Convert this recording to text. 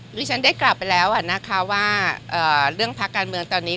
ที่ฉันได้กลับไปแล้วนะคะว่าเรื่องพักการเมืองตอนนี้